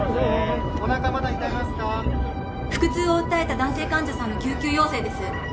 ・腹痛を訴えた男性患者さんの救急要請です。